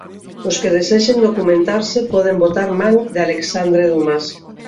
Os que desexen documentarse poden botar man de Alexandre Dumas.